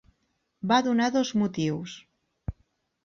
Va donar dos motius.